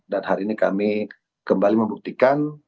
dan hari ini kami kembali membuktikan